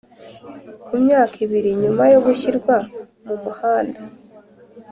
ku myaka ibiri nyuma yo gushyirwa mu muhanda.